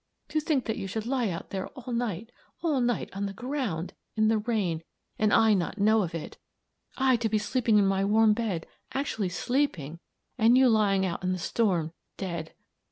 To think that you should lie out there all night all night on the ground, in the rain, and I not know of it! I, to be sleeping in my warm bed actually sleeping, and you lying out in the storm, dead.